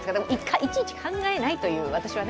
いちいち考えないという、私はね。